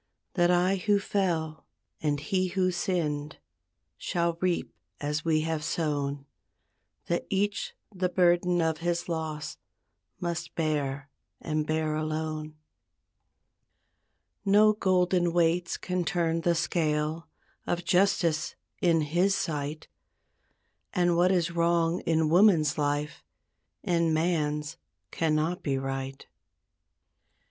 That I who fell, and he who sinned, Shall reap as we have sown; That each the burden of his loss Must bear and bear alone. No golden weights can turn the scale Of justice in His sight; And what is wrong in woman's life In man's cannot be right.